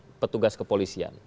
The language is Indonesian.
dan juga petugas kepolisian